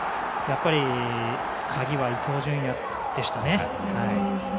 やっぱり鍵は伊東純也でしたね。